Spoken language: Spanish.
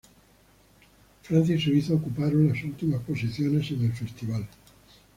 Francia y Suiza ocuparon las últimas posiciones en el festival.